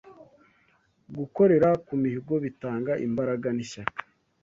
Gukorera ku mihigo bitanga imbaraga n’ishyaka